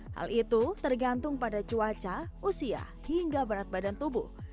hal itu tergantung pada cuaca usia hingga berat badan tubuh